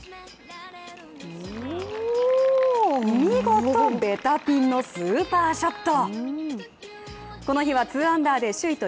見事、ベタピンのスーパーショット。